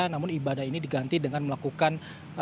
namun ibadah ini diganti dengan melakukan